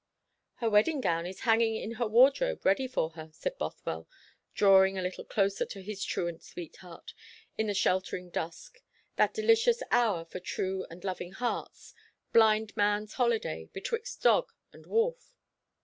"Her wedding gown is hanging in her wardrobe ready for her," said Bothwell, drawing a little closer to his truant sweetheart, in the sheltering dusk, that delicious hour for true and loving hearts, blind man's holiday, betwixt dog and wolf.